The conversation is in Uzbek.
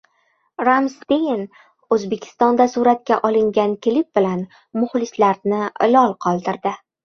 Rammstein O‘zbekistonda suratga olingan klip bilan muxlislarni lol qoldirdi